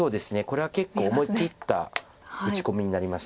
これは結構思い切った打ち込みになりました。